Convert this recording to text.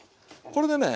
これでね